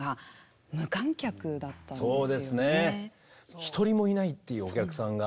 １人もいないというお客さんが。